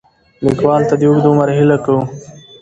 لیکوال ته د اوږد عمر هیله کوو.